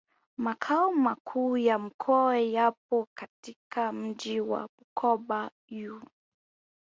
Makao Makuu ya Mkoa yapo katika mji wa Bukoba u